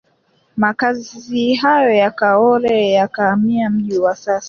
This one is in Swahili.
Makazi hayo ya Kaole yakahamia mji wa sasa